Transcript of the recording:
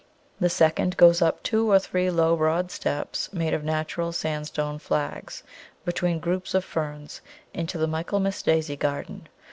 The second goes up two or three low, broad steps made of natural sandstone flags, between groups of Ferns, into the Michaelmas Daisy garden.